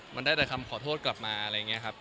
มันได้แต่คำขอโทษกลับมาอะไรอย่างนี้ครับ